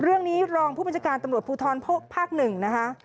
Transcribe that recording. เรื่องนี้รองผู้บัญชาการตำรวจภูทรพภ๑นะคะ